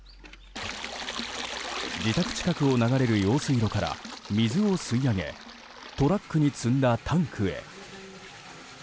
自宅近くを流れる用水路から水を吸い上げトラックに積んだタンクへ。